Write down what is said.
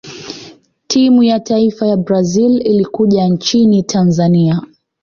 timu ya taifa ya brazil ilikuja nchini tanzania